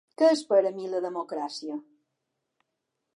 Què és per a mi la democràcia?